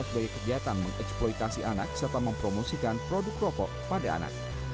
sebagai kegiatan mengeksploitasi anak serta mempromosikan produk rokok pada anak